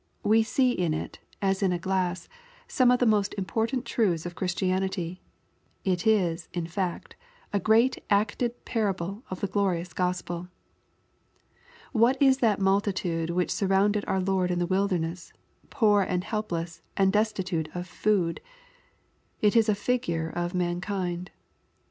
We see in it, as in a glass, some of the most important truths of Christianity. It is, in fact, a great acted parable of the glorious Gospel. What is that multitude vhich surrounded our Lord in the wilderness, poor and helpless, and destitute of food ? It is a figure of mankind.